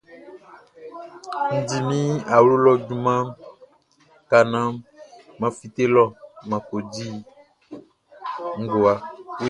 N di min awlo lɔ junmanʼn ka naan mʼan fite lɔ mʼan ko di ngowa.